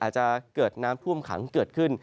อาจจะเกิดน้ำท่วมขังเกิดขึ้น